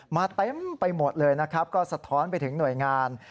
เต็มไปหมดเลยนะครับก็สะท้อนไปถึงหน่วยงาน